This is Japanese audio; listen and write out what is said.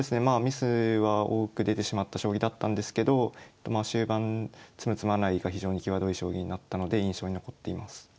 まあミスは多く出てしまった将棋だったんですけど終盤詰む詰まないが非常に際どい将棋になったので印象に残っています。